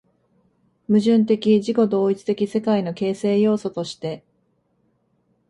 矛盾的自己同一的世界の形成要素として